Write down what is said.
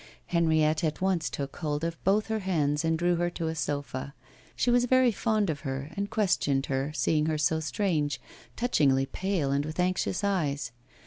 Henriette at once took hold of both her hands and drew her to a sofa. She was very fond of her, and questioned her, seeing her so strange, touchingly pale, and with anxious eyes.